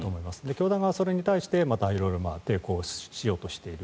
教団がそれに対してまた色々抵抗しようとしている。